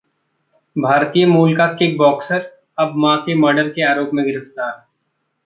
भारतीय मूल का किक बॉक्सर अब मां के मर्डर के आरोप में गिरफ्तार